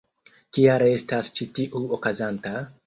Kial estas ĉi tiu okazanta?